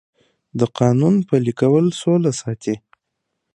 د قانون پلي کول سوله ساتي